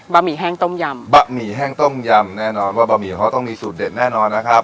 หมี่แห้งต้มยำบะหมี่แห้งต้มยำแน่นอนว่าบะหมี่เขาต้องมีสูตรเด็ดแน่นอนนะครับ